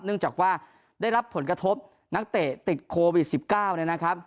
เนื่องจากว่าได้รับผลกระทบนักเตะติดโควิด๑๙เนี่ยนะครับ